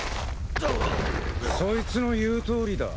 そいつの言うとおりだ。